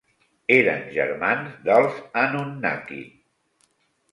Eren germans dels Anunnaki.